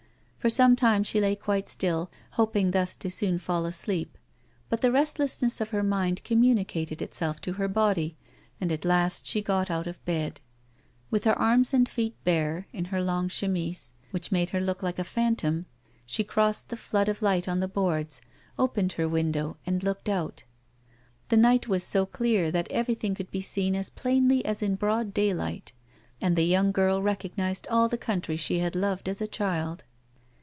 For some time she lay quite still, hoping thus to soon fall asleep, but the restlessness of her mind communicated itself to her body, and at last she got out of bed. With her arms and feet bare, in her long chemise, which made her look lilce a phantom, she crossed the flood of light on the boards, opened her window and looked out. The night was so clear that everything could be seen as plainly as in broad daylight ; and the young girl recognised all the country she had so loved as a child.